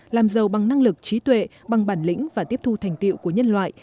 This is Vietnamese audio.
làm giàu bằng năng lực trí tuệ bằng bản lĩnh và tiếp thu thành tiệu của nhân loại